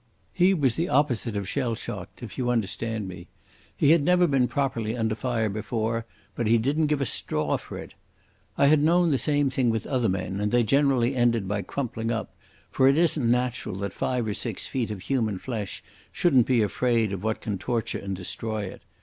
He was the opposite of shell shocked, if you understand me. He had never been properly under fire before, but he didn't give a straw for it. I had known the same thing with other men, and they generally ended by crumpling up, for it isn't natural that five or six feet of human flesh shouldn't be afraid of what can torture and destroy it.